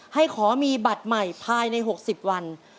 ให้ขอมีบัตรใหม่ภายใน๖๐วัน